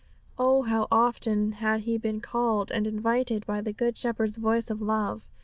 Oh, how often had he been called and invited by the Good Shepherd's voice of love!